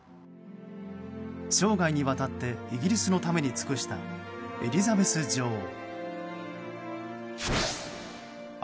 生涯にわたってイギリスのために尽くしたエリザベス女王。